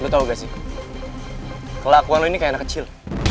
betul gak sih kelakuan lo ini kayak anak kecil